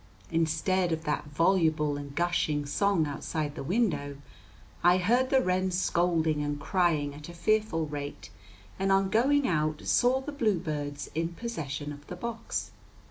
Instead of that voluble and gushing song outside the window, I heard the wrens scolding and crying at a fearful rate, and on going out saw the bluebirds in possession of the box.